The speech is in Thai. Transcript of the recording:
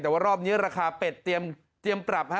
แต่ว่ารอบนี้ราคาเป็ดรรพาค่ะ